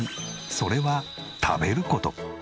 それは食べる事。